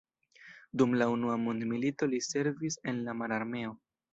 Dum la Unua mondmilito li servis en la mararmeo.